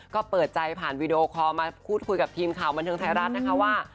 ก็เปิดใจผ่านวีดีโอคอลมาพูดคุยกับทีมข่าวบันเทิงไทยรัฐนะคะว่า